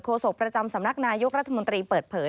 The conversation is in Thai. โศกประจำสำนักนายกรัฐมนตรีเปิดเผย